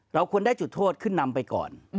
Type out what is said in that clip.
เราควรได้จุดโทษขึ้นนำไปก่อน